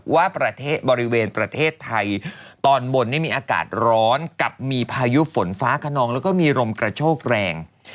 ว่าประเทศบริเวณประเทศไทยตอนบนมีอากาศร้อนกับมีพายุฝนฟ้าขนองแล้วก็มีลมกระโชกแรง